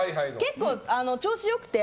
結構、調子よくて。